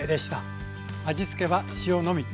味付けは塩のみ。